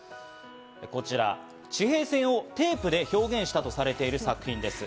こちら、地平線をテープで表現したとされている作品です。